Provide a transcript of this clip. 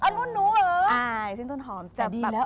อรุณหนูเหรอ